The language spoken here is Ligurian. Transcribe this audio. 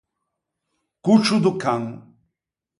Coccio do can.